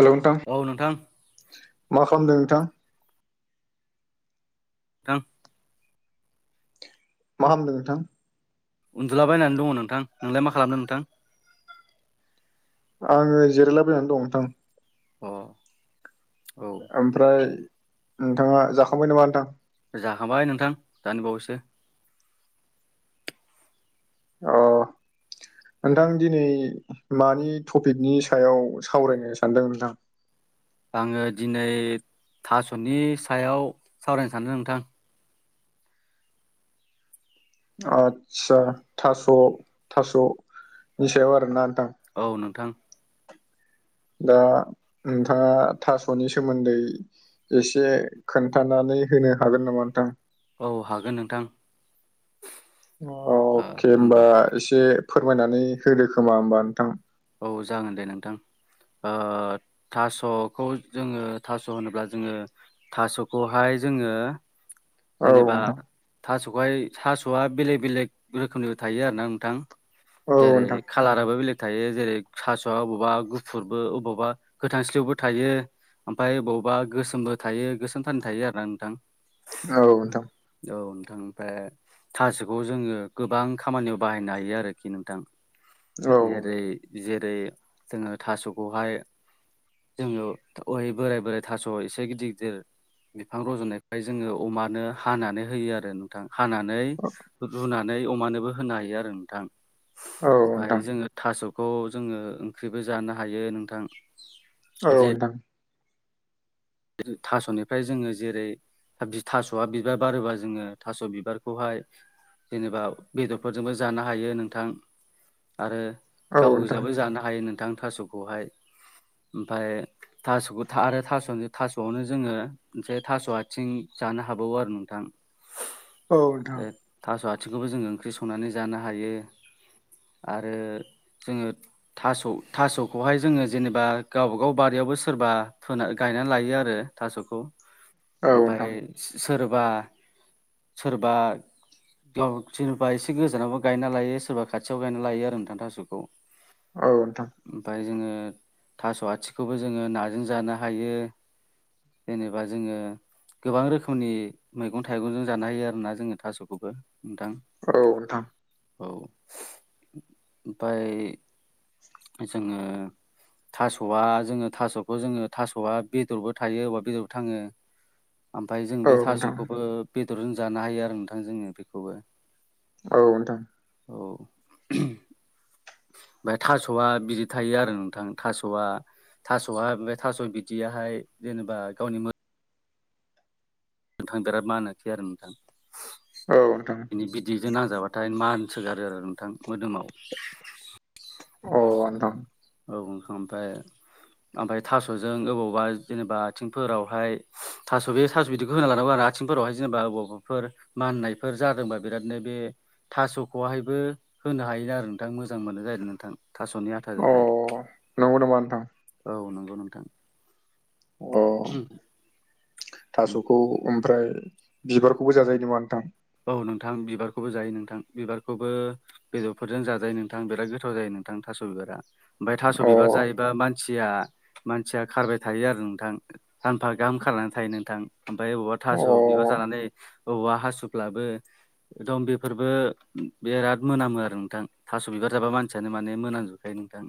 Hello नोंथां। औ नोंथां मा खालामदों नोंथां? नोंथां। मा खालामदों नोंथां? उन्दुलाबायनानै दङ नोंथां। नोंलाय मा खालामदों नोंथां? आङो जिरायलाबायनानै दं नोंथां। अ औ ओमफ्राय नोंथाङा जाखांबाय नामा नोंथां? जाखांबाय नोंथां दानि बावैसो। औ नोंथां दिनै मानि टपिकनि सायाव सावरायनो सानदों नोंथां? आङो दिनै थास'नि सायाव सावरायनो सानदों नोंथां। आदसा थास' थास'नि सायाव आरोना नोंथां? औ नोंथां। दा नोंथाङा थास'नि सोमोन्दै एसे खोन्थानानै होनो हागोन नामा नोंथां? औ हागोन नोंथां। अ ओ अके हबा होमबा एसे फोरमायनानै होदो खोमा होमबा नोंथां। औ जागोन दे नोंथां। ओ थास'खौ जोङो थास' होनोब्ला जोङो थास'खौहाय जोङो औ जेनेबा नोंथां थास'हाय थास'आ बेलेग बेलेग रोखोमनिबो थायो आरो ना नोंथां। औ जेरै नोंथां कालाराबो बेलेग थायो जेरै थास'आ अबावबा गुफुरबो अबावबा गोथांस्लिवबो थायो। ओमफ्राय बबावबा गोसोमबो थायो गोसोमथान थायो आरो ना नोंथां। औ नोंथां। औ नोंथां। ओमफ्राय थासखौ जोङो गोबां खामानियाव बाहायनो हायो आरोखि नोंथां। औ जेरै जेरै जोङो थास'खौहाय जोङो अहै बोराय बोराय थास' एसे गिदिर गिदिर बिफां रज'नायफ्राय जोङो अमानो हानानै होयो आरो नोंथां हानानै रुनानै अमानोबो होनो हायो आरो नोंथां औ नोंथां ओमफ्राय जोङो थास'खौ जोङो ओंख्रिबो जानो हायो नोंथां। औ जे नोंथां। थास'निफ्राय जोङो जेरै थास'आ बिबार बारोबा जोङो थास' बिबारखौहाय जेनेबा बेदरफोरजोंबो जानो हायो नोंथां आरो औ गाव नोंथां गोजाबो जानो हायो नोंथां थास हाय ओमफ्राय थास'खौ आरो थास'नि थास'आवनो जोङो मोनसे थास' आथिं जानो हाबावो आरो नोंथां। औ नोंथां बे थास' आथिंखौबो जोङो ओंख्रि संनानै जानो हायो। आरो जोङो थास' थास'खौहाय जोङो जेनेबा गावबागाव बारियावबो सोरबा गायनानै लायो। बि आरो थास'खौ औ नोंथां ओमफ्राय सोरबा सोरबा- ओ सोरबा एसे गोजानावबो गायना लायो सोरबा खाथियाव गायना लायो आरो नोंथां थास'खौ। औ नोंथां। ओमफ्राय जोङो थास' आथिखौबो जोङो नाजों जानो हायो। जेनेबा जोङो गोबां रोखोमनि मैगं थाइगंजों जानो होयो आरोना जोङो थास'खौबो नोंथां। औ नोंथां। औ ओमफाय जोङो थास'आ जोङो थास'खौ जोङो थास'आ बेदरबो थायो अबा बेदर थाङो ओमफ्राय जों बे नोंथां थास'खौबो बेदरजों जानो हायो आरो नोंथां जोङो बेखौबो। औ नोंथां। औ ओमफाय थास'आ बिदि थायो आरो नोंथां थास'आ। थास'आ बे थास' बिदियाहाय जेनेबा गावनि मो नोंथां बिराद मानो बिदि आरो नोंथां। औ नोंथां। बिनि बिदैजों नांजाबाथाय मान सोगारो आरो नोंथां मोदोमाव। अ आनथां। औ ओंख ओमफाय आमफाय थास'जों अबावबा जेनेबा आथिंफोरावहाय थास' बे थास' बिदिखौ होना लाानांगौ आरोना। आथिंफोरावहाय जेनेबाबाबाफोर माननायफोर जादोंबा बिरादनो बे थास'खौहायबो होनो हायोन आरो नोंथां मोजां मोनो जाह नोंथां थास'नि आथाजोंहाय। अ नंगौ नमा नोंथां? औ नंगौ नोंथां। अ थास'खौ ओमफ्राय बिबारखौबो जाजायो नामा नोंथां? औ नोंथां बिबारखौबो जायो नोंथां बिबारखौबो बेदरफोरजों जाजायो नोंथां बिराद गोथाव जायो नोंथां थास' बिबारा ओमफफ्राय थास' अ बिबार जायोबा मान सिया मानसिया खारबाय थायो आरो नोंथां। सानफा गाहाम खनानै थायो नोंथां ओमफफ्राय बबावबा अ थास' बिबार जानानै बबावबा हासु ब्लाबो एकदम बेफोरबो बिराद मोनामो आरो नोंथां थास' बिबार जाबा मानसियानो माने मोनाजजोब खायो नोंथां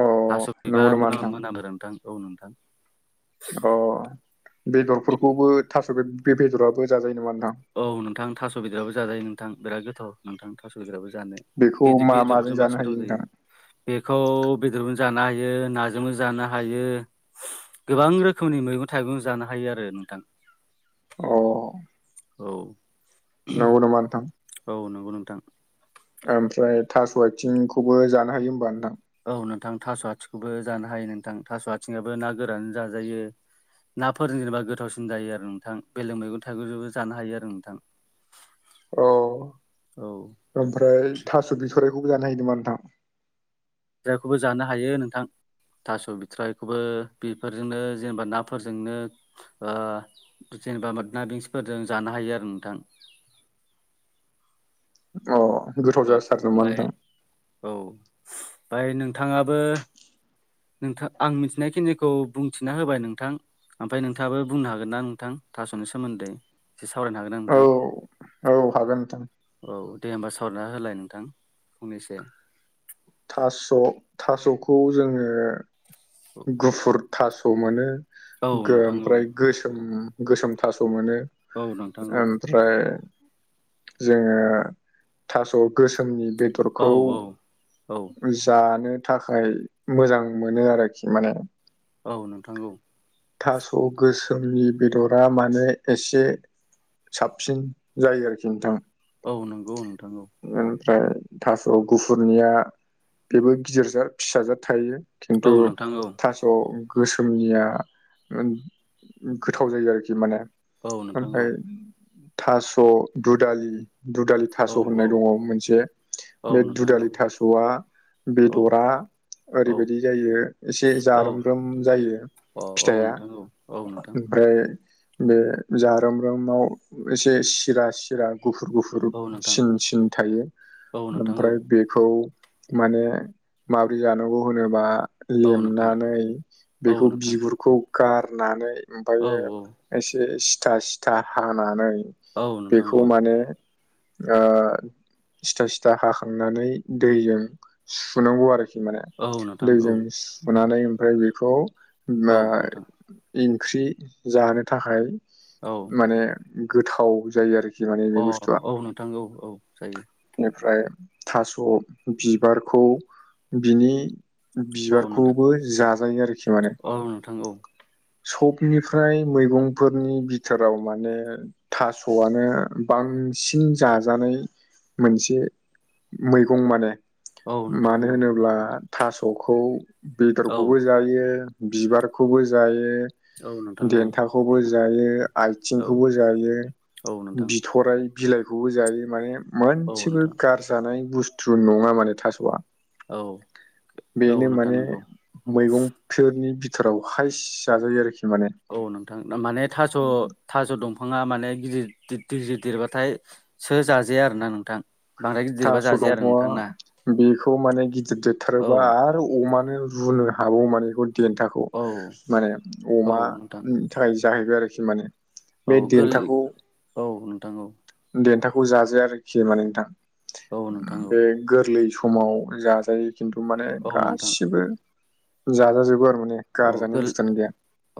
अ थास' नंगौ बिबार नामा मोनाम नोंथां मोनाम आरो नोंथां औ नोंथां। अ बेदरफोरखौबो थास' बे बेदराबो जाजायो नङा नोंथां? औ नोंथां थास' गदिराबो जाजायो नोंथां बिराद गोथाव नोंथां थास' बेदराबो जानो। बेखौ बेद- मा माजों बेदरफोरजों जानो बांसिन हायो गोथाव नोंथां जायो। बेखौ बेदरबो जानो हायो नाजोंबो जानो हायो। गोबां रोखोमनि मैगं थाइगं जानो हायो आरो नोंथां। अ औ नोंगौ नामा नोंथां? औ नंगौ नोंथां। ओमफ्राय थास' आइथिंखौबो जानो हायो होमबा नोंथां? औ नोंथां थास' आथिंखौबो जानो हायो नोंथां थास' आथिंयाबो ना गोरानो जाजायो। नाफोरजों जेनेबा गोथावसिन जायो आरो नोंथां बेलेग मैगं थाइगंजोंबो जानो हायो आरो नोंथां। औ औ ओमफ्राय थास' बिथररायखौबो जानो हायो नामा नोंथां? जायखौबो जानो हायो नोंथां। थास' बिथ्राइखौबो बेफोरजोंनो जेनेबा नाफोरजोंनो। जेनेबा मादना बिसफोरजों जानो हायो आरो नोंथां अ गोथाव जासारदों ओमफाय नोंथां औ ओमफ्राय नोंथाङाबो नोंथां आं मिथिनायखिनिखौ बुंथिना होबाय नोंथां ओमफ्राय नोंथाङाबो बुंनो हागोन ना नोंथां थास'नि सोमोन्दै एसे सावरायनो हागोन ना औ नोंथां औ हागोन नोंथां औ दे होमबा सावना होलाय नोंथां फंनैसो थास' थास'खौ जोङो गुफुर थास' मोनो औ नोंथां औ ओमफ्राय गोसोम गोसोम थास' मोनो औ नांथांगौ ओमफ्राय जोङो थास' गोसोमनि बे औ औ औ जानो थाखाय मोजां मोनो आरोखि माने औ नोंथांौ थास' गोसोमनि बेदरा माने एसे साबसिन जायो आरोखि नोंथाङा औ नंगौ नोंथां ओमफ्राय थास' गुफुरनिया बेबो गिदिरजाथ फिसाजाथ थायो खिन्थु औ नोंथां औ थास' गोसोमनिया गोथाव जायो आरोखि माने औ नोंथां औ ओमफ्राय थास' दुदालि दुदालि औ थास' औ होननाय दङ मोनसे औ बे नोंथां औ दुदालि थास'आ औ बेदरा औ ओरैबायदि जायो एसे औ जारोमब्रोम जायो अ औ फिथाइया नोंथां औ औ नोंथां ओमफ्राय बे जारोमम्रोमाव एसे सिरा सिरा गुफुर गुफुर औ नोंथां सिन सिन थायो औ नोंथां ओमफ्राय औ बेखौ माने माबोरै जानांगौ होनोबा औ नोंथां लेमनानै औ बेखौ नोंथां बिगुरखौ गारनानै औ ओमफ्रायो एसे सिथा सिथा हानानै औ नोंथां बेखौ औ माने सिथा सिथा हाखांनानै दैजों सुनांगौ आरोखि माने औ नोंथां दैजों औ सुनानै ओमफ्राय बेखौ औ नोंथां ओंख्रि जानो थाखाय औ अ माने गोथाव जायो आरोखि माने बे बुस्थुआ औ नोंथां औ औ जायो बेनिफ्राय थास' बिबारखौ बिनि औ बिबार नोंथां खौबो जाजायो आरोखि माने औ नोंथां औ सबनिफ्राय मैगंफोरनि बिथोराव माने थास'आनो बांसिन जाजानाय मोनसे मैगं माने औ नोंथां मानो औ होनोब्ला थास'खौ औ बेदरखौबो जायो बिबारखौबो जायो औ नोंथां औ देन्थाखौबो जायो औ आयथिंखौबो जायो औ नोंथां बिथ' अराय बिलाइखौबो जायो माने औ मोनसेबो नोंथां गारजा जानाय बुस्थु नङा माने थास'आ औ औ बेनो नोंथां माने नंगौ मैगंफोरनि बिथोराव हाइस जाजायो आरोखि माने औ नोंथां माने थास' थास' दंफाङा माने गिदिर गिदिर देरबाथाय सो जाजाया आरो ना नोंथां बांद्राय गिदिरबा थास' जाजाया आरो नोंथांना दंफंआ बेखौ माने गिदिर औ देरथारोबा आरो अमानो रूनो हाबावो माने बेखौ देन्थाखौ औ माने औ अमा नोंथां फिथाइ जाहैबाय आरोखि माने औ बे गोरलै औ नोंथां औ देनथाखौ जाजाया आरोखि माने नोंथां। औ नोंथां औ बे गोरलै समाव जाजायो खिन्थु माने औ नोंथां गासिबो जाजाजोबो आरो माने औ गारजानाय गोर बुस्थुआनो गैया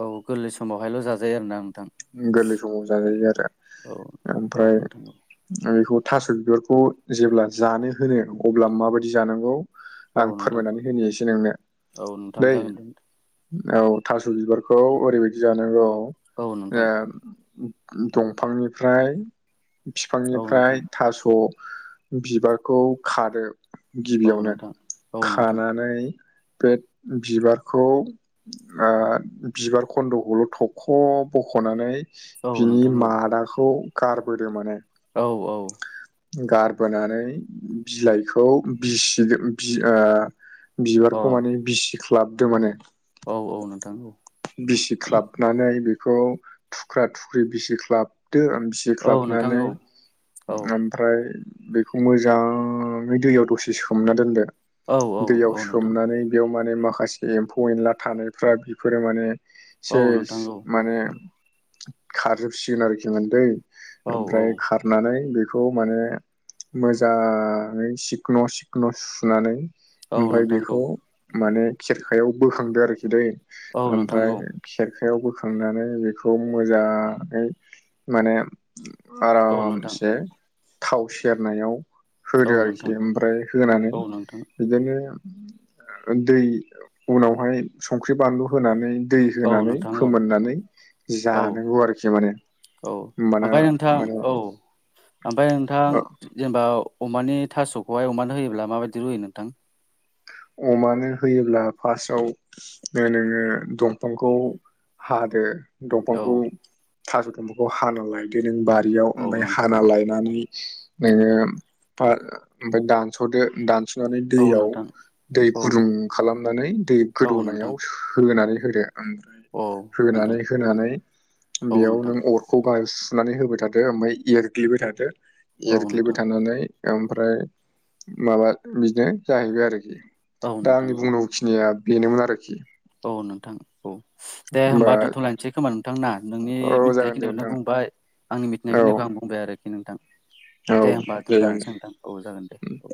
औ गोरलै समावहायल' जाजायो आरोना नोंथां। गोरलै समाव जाजायो आरो औ औ ओमफ्राय नोंथां बेखौ थास' बिबारखौ जेब्ला जानो होनो अब्ला माबायदि जानांगौ औ आं नोंथां फोरमायनानै होनि इसे नोंनो औ नोंथां दै जागोन दे औ थास' बिबारखौ ओरैबायदि जानांगौ औ ओ नोंथां दंफांनिफ्राय औ नोंथां बिफांनिफ्राय थास' बिबारखौ खादो औ गिबियावनो नोंथां औ नोंथां खानानै बे बिबारखौ बिबार आ खन्द'खौल' थखब बख'नानै औ बिनि नोंथां औ मादाखौ गारबोदो माने औ औ गारबोनानै बिलाइखौ बिसिदो बिसि ओ अ बिबारखौ माने बिसिख्लाबदो माने औ औ नोंथां औ बिसिख्लाबनानै बेखौ थुख्रा थुख्रि बिसि ख्लाबदो औ नोंथां बिसिख्लाबनानै औ औ ओम ओमफ्राय बेखौ मोजाङै दैयाव दसे सोमना दोनदो। औ औ दैयाव औ नोंथां सोमनानै बेयाव माने माखासे एम्फौ एनला थानायफ्रा बेफोरो माने औ सेस नोंथां औ माने खारजोबसिगोन आरोखि दै औ औ ओमफ्राय खारनानै बे बेखौ माने मोजाङै सिखन' सिखन' सुनानै औ ओमफ्राय नोंथां औ बेखौ माने खेरखायाव बोखांदो आरोखि दै औ नोंथां ओमफ्राय औ खेरखायाव बोखांनानै बेखौ मोजाङै माने औ नोंथां आरामसे थाव सेरनायाव औ होदो नोंथां आरोखि ओमफ्राय होनानै औ नोंथां बिदिनो दै उनावहाय संख्रि बानलु होनानै दै औ होनानै नोंथां औ फोमोननानै औ जानांगौ आरोखि माने औ होमबाना ओमफ्राय नोंथां माने औ ओमफ्राय नोंथां जेनेबा अमानि थास'खौहाय अमानो होयोब्ला माबायदि रुयो नोंथां? अमानो होयोब्ला फार्स्टआव नोङो दंफांखौ हादो औ दंफांखौ थास' दंफांखौ हानालाय बि नों बारियाव औ ओमफ्राय नोंथां हाना लायनानै नोङो औ ओमफ्राय दानस'दो दानस'नानै औ दैयाव नोंथां दै औ गुदुं खालामनानै दै औ नोंथां गोदौनायाव होनानै होदो। ओमफ्राय औ नोंथां होनानै होनानै औ बेयाव नोंथां नों अर खौ गाहायाव सुनानै होबाय थादो ओमफ्राय एरग्लिबाय थादो औ एरग्लिबाय नोंथां थानानै ओमफ्राय माबा बिदिनो जाहैबाय आरोखि औ दा नोंथां आंनि औ बुंनांगौ खिनिया बेनोमोन आरोखि। औ नोंथां औ दे होमबा दोनथ'लायसै खोमा नोंथां ना नोंनि औ जागोन दे मिथिनायखिनिखौ नों नोंथां बुंबाय आंनि औ मिथिनायखिनिखौ आं बुंबाय आरोखि नोंथां। औ दे होमबा जागोन दे दोनथ'लायनोसै नोंथां औ जागोन दे। औ